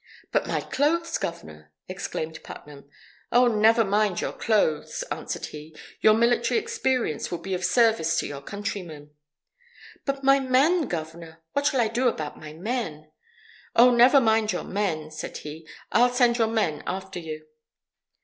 "But my clothes, Governor!" exclaimed Putnam. "Oh, never mind your clothes," answered he, "your military experience will be of service to your countrymen." "But my men, Governor! What shall I do about my men?" "Oh, never mind your men," said he, "I'll send your men after you."